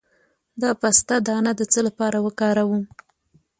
د پسته دانه د څه لپاره وکاروم؟